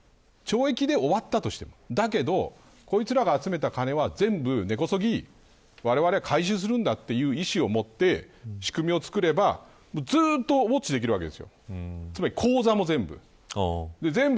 だから、刑期が仮にですよ懲役で終わったとしてもだけどこいつらが集めた金は全部根こそぎ、われわれは回収するんだという意思を持って仕組みをつくればずっとウオッチできるわけです。